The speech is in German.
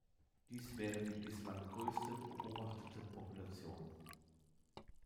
Dies wäre die bislang größte beobachtete Population.